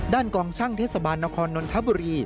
กองช่างเทศบาลนครนนทบุรี